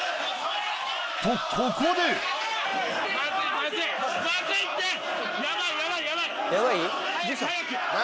・とここで！早く早く！